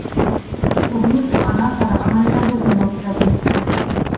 У выніку анафара амаль не адрознівалася ад рымскай.